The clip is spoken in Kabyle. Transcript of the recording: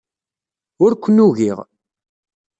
Ur ken-ugiɣ.